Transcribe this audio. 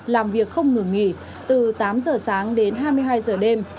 làm việc không ngừng nghỉ từ tám giờ sáng đến hai mươi hai giờ đêm